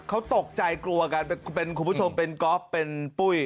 เขาตกใจกลัวกันเป็นคุณผู้ชมเป็นก๊อฟเป็นปุ้ย